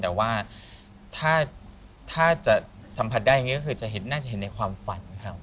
แต่ว่าถ้าจะสัมผัสได้อย่างนี้ก็คือจะน่าจะเห็นในความฝันครับ